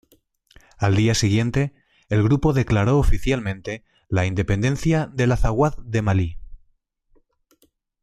Al día siguiente, el grupo declaró oficialmente la independencia del Azawad de Malí.